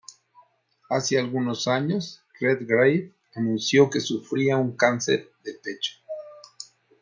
Hace algunos años, Redgrave anunció que sufría un cáncer de pecho.